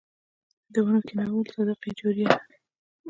د ونو کینول صدقه جاریه ده.